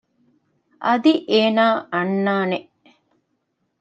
އަދި އޭނާ އަންނާނެ